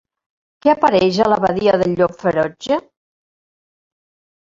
Què apareix a la Badia del Llop Ferotge?